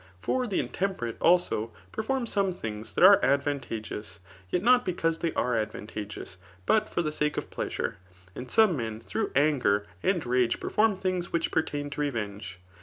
For the intemperate, also, perform some things that are advan tageous, yet not because they are advantageous, but for the sake of pleasure. And some men through anger and rage perform things which pertain to revenge.